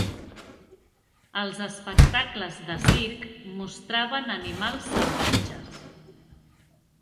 Els espectacles de circ mostraven animals salvatges.